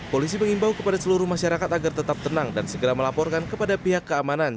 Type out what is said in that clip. polisi mengimbau kepada seluruh masyarakat agar tetap tenang dan segera melaporkan kepada pihak keamanan